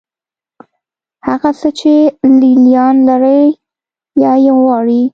هغه څه چې لې لیان لري یا یې غواړي.